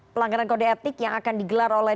pelanggaran kode etik yang akan digelar oleh